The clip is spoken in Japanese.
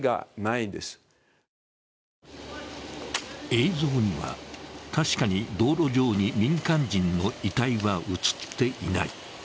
映像には、確かに道路上に民間人の遺体は映っていない。